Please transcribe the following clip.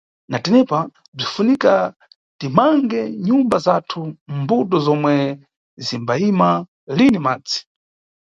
Na tenepa, bzinʼfunika timange nyumba zathu mʼmbuto zomwe zimbayima lini madzi.